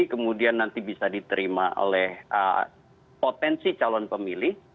kemudian nanti bisa diterima oleh potensi calon pemilih